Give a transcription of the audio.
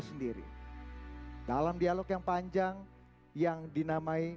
sendiri dalam dialog yang panjang yang dinamai